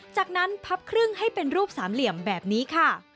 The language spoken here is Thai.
จากนั้นพับครึ่งให้เป็นรูปสามเหลี่ยมแบบนี้ค่ะ